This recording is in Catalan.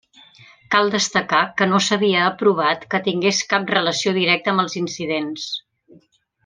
Cal destacar que no s’havia aprovat que tingués cap relació directa amb els incidents.